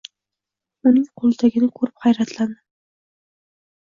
Uning qo‘lidagini ko‘rib hayratlandim.